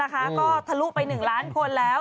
ก็ทะลุไป๑ล้านคนแล้ว